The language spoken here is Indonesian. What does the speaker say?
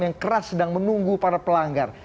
yang keras sedang menunggu para pelanggar